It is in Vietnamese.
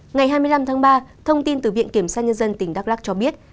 ngày hai mươi năm tháng ba thông tin từ viện kiểm soát nhân dân tỉnh đắk lắc cho biết